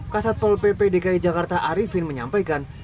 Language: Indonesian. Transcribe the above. kasatpol pp dki jakarta arifin menyampaikan